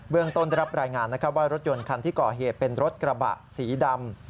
เรื่องต้นได้รับรายงานนะครับว่ารถยนต์คันที่ก่อเหตุเป็นรถกระบะสีดำ